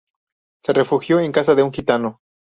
Se refugió en casa de un gitano.